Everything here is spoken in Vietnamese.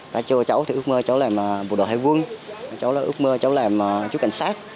các cháu thì ước mơ cháu làm bộ đội thầy quân cháu là ước mơ cháu làm chú cảnh sát